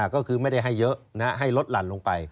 ก็คือไม่ได้ให้เยอะให้ลดหลั่นลงไป